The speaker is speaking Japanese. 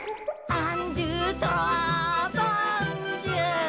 「アンドゥトロワボンジュール」